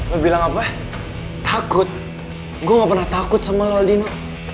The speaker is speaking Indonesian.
gue bilang apa takut gue gak pernah takut sama laudino